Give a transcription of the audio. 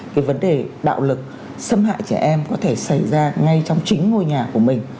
cái vấn đề đạo lực xâm hại trẻ em có thể xảy ra ngay trong chính ngôi nhà của mình